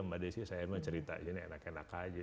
mbak desy saya emang cerita ini enak enak aja